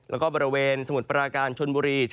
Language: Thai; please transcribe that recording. แล้วก็บริเวณสมุทรปราการชนบุรี